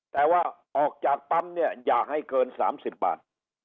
แต่ว่าออกจากปั๊มเนี่ยอย่าให้เกิน๓๐บาท